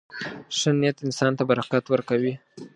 • ښه نیت انسان ته برکت ورکوي.